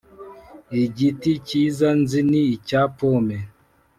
Igiti kiza nzi ni icya pomme